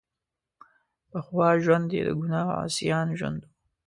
پخوانی ژوند یې د ګناه او عصیان ژوند وو.